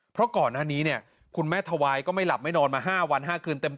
เพราะก่อนหน้านี้เนี่ยคุณแม่ทวายก็ไม่หลับไม่นอนมา๕วัน๕คืนเต็ม